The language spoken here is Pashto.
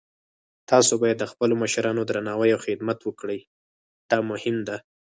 تاسو باید د خپلو مشرانو درناوی او خدمت وکړئ، دا مهم ده